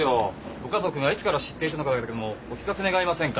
ご家族がいつから知っていたのかだけでもお聞かせ願えませんか？